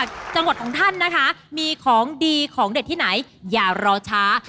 จังหวัดของท่านนะคะมีของดีของเด็ดที่ไหนอย่ารอช้า